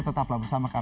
tetaplah bersama kami